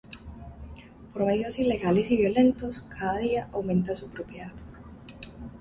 Por medios ilegales y violentos, cada día aumenta su propiedad.